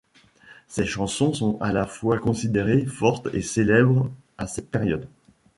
Ces chansons sont à la fois considérées fortes et célèbres à cette période.